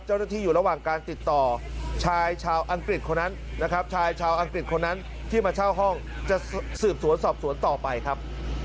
เจ้าหน้าที่อยู่ระหว่างการติดต่อชายชาวอังกฤษคนนั้นที่มาเช่าห้องจะสืบสวนสอบสวนต่อไปครับ